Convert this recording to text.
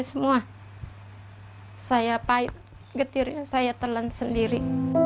hai saya pahit getirnya saya telan sendiri